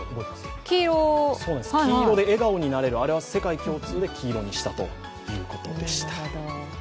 そうそう、黄色で笑顔になれる、あれは世界共通で黄色にしたということでした。